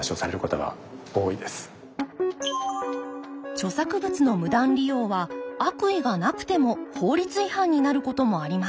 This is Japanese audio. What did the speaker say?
著作物の無断利用は悪意がなくても法律違反になることもあります。